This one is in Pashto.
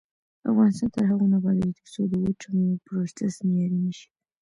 افغانستان تر هغو نه ابادیږي، ترڅو د وچو میوو پروسس معیاري نشي.